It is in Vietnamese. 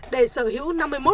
để sở hữu năm mươi một